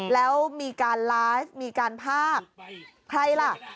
แล้วมีการไลฟ์มีการพากใครล่ะ